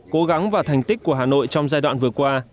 cố gắng và thành tích của hà nội trong giai đoạn vừa qua